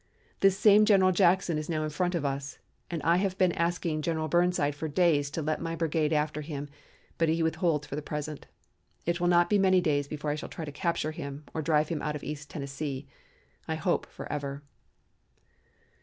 This same General Jackson is now in front of us, and I have been asking General Burnside for days to let my brigade after him, but he withholds for the present. It will not be many days before I shall try to capture him or drive him out of East Tennessee, I hope forever."